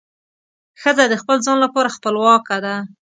ښځه د خپل ځان لپاره خپلواکه ده.